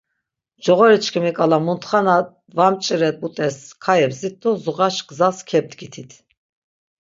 Coğori çkimi k̆ala muntxa na dvamç̌irebutes kayebzdit do zuğaş gzas gebdgitit.